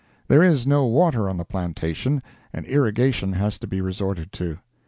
There is no water on the plantation, and irrigation has to be resorted to.